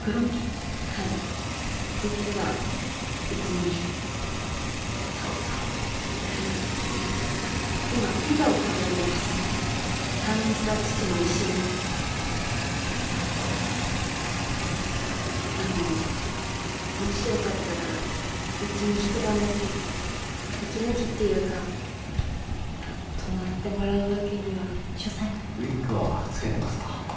はい実はうちにそうですかはい今ピザを食べています退院した父も一緒にそうですかあのもしよかったらうちに一晩だけ息抜きっていうか泊まってもらうわけにはウィッグは着けてますか？